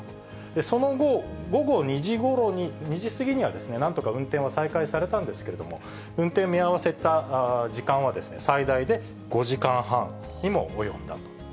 その後、午後２時過ぎには、なんとか運転は再開されたんですけれども、運転見合わせた時間は最大で５時間半にも及んだと。